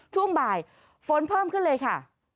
ช่วงบ่ายฝนเพิ่มขึ้นเลยค่ะ